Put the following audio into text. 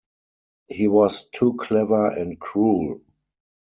He was too clever and cruel.